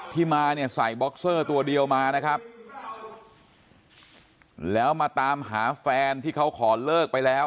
ที่มาเนี่ยใส่บ็อกเซอร์ตัวเดียวมานะครับแล้วมาตามหาแฟนที่เขาขอเลิกไปแล้ว